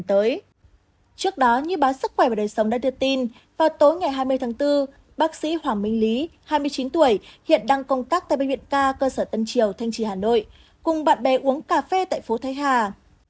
trước đó như báo sức khỏe và đời sống đã đưa tin vào tối ngày hai mươi tháng bốn bác sĩ hoàng minh lý hai mươi chín tuổi hiện đang công tác tại bệnh viện ca cơ sở tân triều thanh trì hà nội cùng bạn bè uống cà phê tại phố thái hà